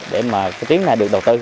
để mà tiến này được đầu tư